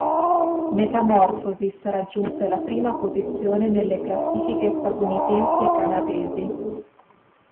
Metamorphosis raggiunse la prima posizione nelle classifiche statunitensi e canadesi.